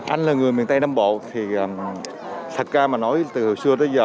anh là người miền tây nam bộ thì thật ra mà nói từ xưa tới giờ